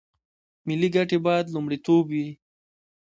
ملي ګټې باید لومړیتوب وي